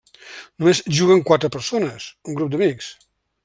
Només juguen quatre persones, un grup d'amics.